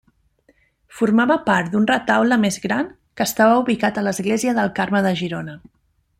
Formava part d'un retaule més gran que estava ubicat a l'Església del Carme de Girona.